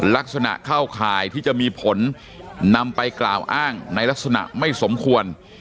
ลักษณะเข้าข่ายที่จะมีผลนำไปกล่าวอ้างในลักษณะไม่สมควร